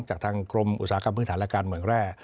จากทางกรมอุตสาหกรรมพื้นฐานและการเมืองแร่